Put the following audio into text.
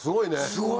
すごい。